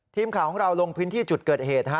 ทีมข่าวของเราลงพื้นที่จุดเกิดเหตุ